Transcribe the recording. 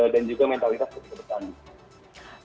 dan juga mentalitas ketika bertanding